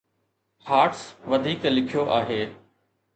Hertz وڌيڪ لکيو آهي